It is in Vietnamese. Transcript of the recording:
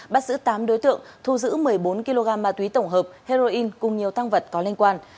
bắt giữ tám đối tượng thu giữ một mươi bốn kg ma túy tổng hợp heroin cùng nhiều tăng vật có liên quan